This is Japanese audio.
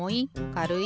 かるい？